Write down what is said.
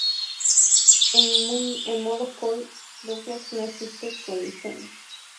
En modo full duplex no existen colisiones.